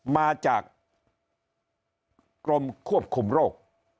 มาจากกรมควบคุมโรค